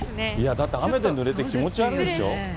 だって雨でぬれて、気持ち悪いでしょ？